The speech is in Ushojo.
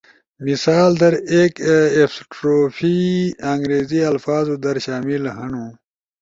مثال در، ایکapostrophe انگریزی الفاظو در شامل ہنو